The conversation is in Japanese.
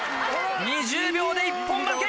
２０秒で一本負け。